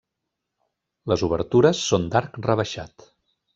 Les obertures són d’arc rebaixat.